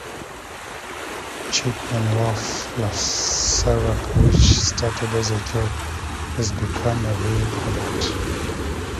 Chicken 'N Waffles syrup-which started as a joke-has become a real product.